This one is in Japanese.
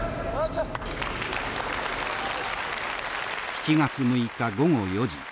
７月６日午後４時。